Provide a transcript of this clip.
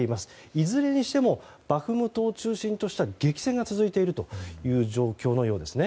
いずれにしてもバフムトを中心とした激戦が続いているという状況のようですね。